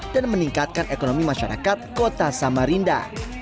dan meningkatkan ekonomi masyarakat kota samarinda